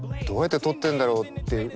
どうやって撮ってるんだろうって。